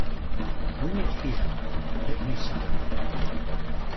Bring it here! Let me sup!